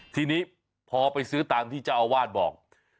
ทีนี้พอไปซื้อตามที่เจ้าอาวาสบอก